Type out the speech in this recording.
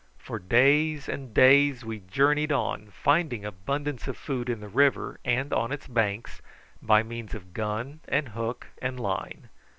For days and days we journeyed on finding abundance of food in the river and on its banks by means of gun and hook and line.